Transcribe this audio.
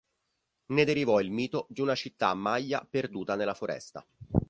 Ne derivò il mito di una città Maya 'perduta' nella foresta.